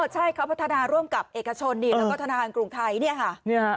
อ๋อใช่เขาพัฒนาร่วมกับเอกชนแล้วก็พัฒนาคันกรุงไทย